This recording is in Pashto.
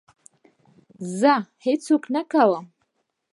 زه هېڅ څوک نه کوم.